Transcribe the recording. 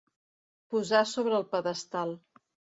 Posar sobre el pedestal.